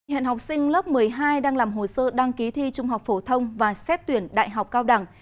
hiện học sinh lớp một mươi hai đang làm hồ sơ đăng ký thi trung học phổ thông và xét tuyển đại học cao đẳng